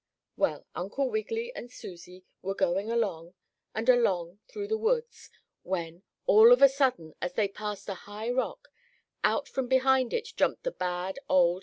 Well, Uncle Wiggily and Susie were going along and along through the woods, when, all of a sudden, as they passed a high rock, out from behind it jumped the bad old tail pulling monkey.